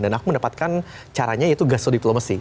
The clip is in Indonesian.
dan aku mendapatkan caranya yaitu gastro diplomasi